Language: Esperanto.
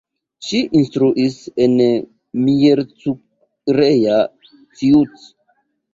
Ŝi instruis en Miercurea Ciuc.